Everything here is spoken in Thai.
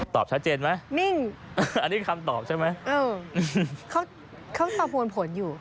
ตอบชัดเจนมั้ยมิ่งอันนี้คำตอบใช่มั้ยเออเขาตอบผวนผลอยู่